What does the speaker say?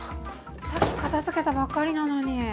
さっき片づけたばかりなのに。